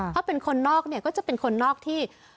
คุณนอกก็จะเป็นคนนอกที่